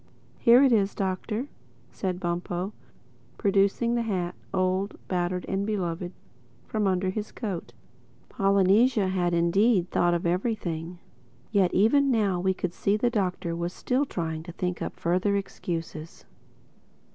"Here it is, Doctor," said Bumpo producing the hat, old, battered and beloved, from under his coat. Polynesia had indeed thought of everything. Yet even now we could see the Doctor was still trying to think up further excuses.